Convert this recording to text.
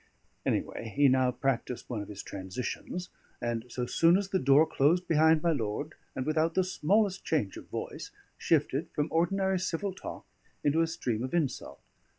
Anyway, he now practised one of his transitions; and so soon as the door closed behind my lord, and without the smallest change of voice, shifted from ordinary civil talk into a stream of insult.